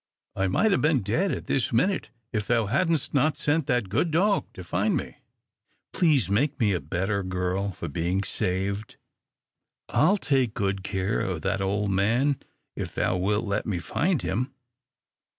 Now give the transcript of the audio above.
I might 'a' been dead at this minute if thou hadst not sent that good dog to find me. Please make me a better girl for being saved. I'll take good care o' that old man if thou wilt let me find him.